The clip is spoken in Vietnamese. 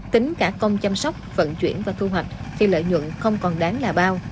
tính cả công chăm sóc vận chuyển và thu hoạch khi lợi nhuận không còn đáng là bao